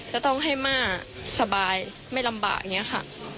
จะต้องให้ม่าสบายไม่ลำบากอย่างนี้ค่ะ